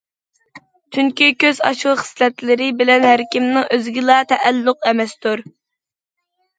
چۈنكى كۆز ئاشۇ خىسلەتلىرى بىلەن ھەركىمنىڭ ئۆزىگىلا تەئەللۇق ئەمەستۇر.